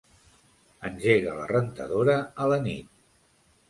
Engega la rentadora a la nit.